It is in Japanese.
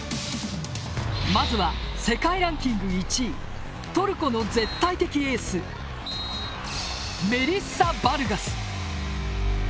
まずは世界ランキング１位トルコの絶対的エースメリッサ・バルガス。